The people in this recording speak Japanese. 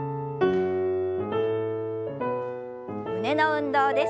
胸の運動です。